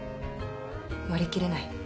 割り切れない。